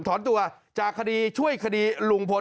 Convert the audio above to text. ถอนตัวจากคดีช่วยคดีลุงพล